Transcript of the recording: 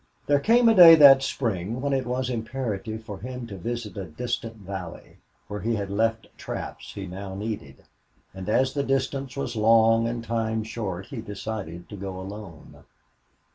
There came a day that spring when it was imperative for him to visit a distant valley, where he had left traps he now needed, and as the distance was long and time short he decided to go alone.